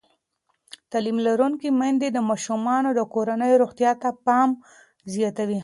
تعلیم لرونکې میندې د ماشومانو د کورنۍ روغتیا ته پام زیاتوي.